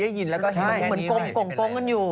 เหมือนกลมกันอยู่